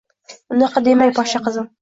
Unaqa demang, Poshsha qizim.